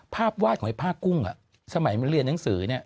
ภาพวาดของไอ้พากุ้งสมัยเลือนหนังสือ